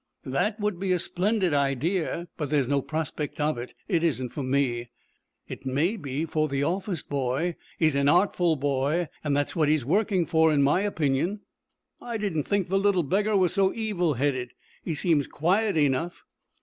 "That would be a splendid idea, but there's no prospect of it. It isn't for me." "It may be for the office boy. He's an artful boy, and that's what he's working for, in my opinion." "I didn't think the little beggar was so evil headed. He seems quiet enough."